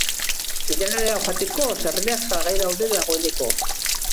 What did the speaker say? Finalera joateko sarrerak salgai daude dagoeneko.